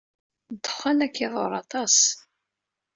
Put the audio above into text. Ddexxan ad ken-iḍurr aṭas.